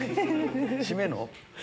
締めの。